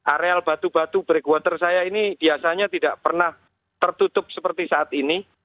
areal batu batu break water saya ini biasanya tidak pernah tertutup seperti saat ini